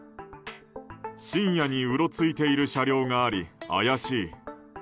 深夜にうろついている車両があり怪しい。